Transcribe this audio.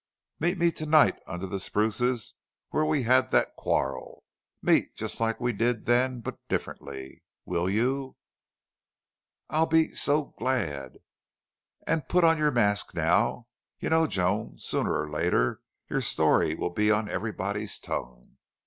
"Meet me to night, under the spruces where we had that quarrel. Meet just like we did then, but differently. Will you?" "I'll be so glad." "And put on your mask now!... You know, Joan, sooner or later your story will be on everybody's tongue.